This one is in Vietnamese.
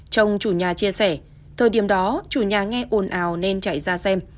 chồng chủ nhà chia sẻ thời điểm đó chủ nhà nghe ồn ào nên chạy ra xem